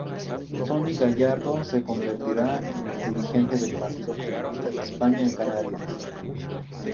Tony Gallardo se convertirá en el dirigente del Partido Comunista de España en Canarias.